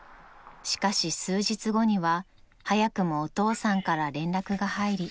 ［しかし数日後には早くもお父さんから連絡が入り］